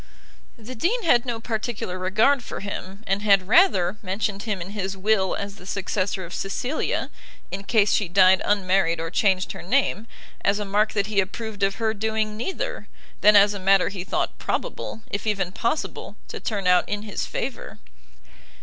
The dean had no particular regard for him, and had rather mentioned him in his will as the successor of Cecilia, in case she died unmarried or changed her name, as a mark that he approved of her doing neither, than as a matter he thought probable, if even possible, to turn out in his favour.